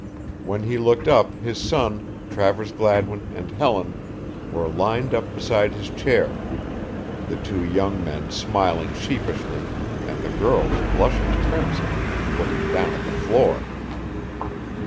When he looked up his son, Travers Gladwin and Helen were lined up beside his chair, the two young men smiling sheepishly and the girls blushing crimson and looking down at the floor.